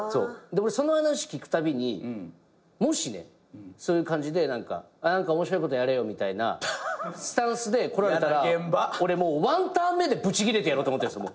その話聞くたびにもしねそういう感じで何か面白いことやれよみたいなスタンスで来られたら俺もうワンターン目でブチギレてやろうと思ってんす。